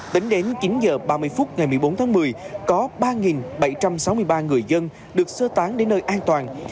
tính đến chín h ba mươi phút ngày một mươi bốn tháng một mươi có ba bảy trăm sáu mươi ba người dân được sơ tán đến nơi an toàn